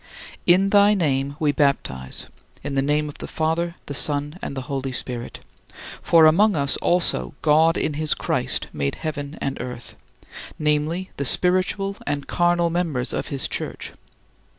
In thy name we baptize, in the name of the Father, the Son, and the Holy Spirit. For among us also God in his Christ made "heaven and earth," namely, the spiritual and carnal members of his Church.